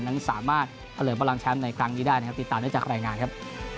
นั้นสามารถเฉลิมพลังแชมป์ในครั้งนี้ได้นะครับติดตามได้จากรายงานครับ